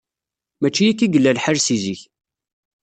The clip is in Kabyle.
Mačči akka i yella lḥal si zik.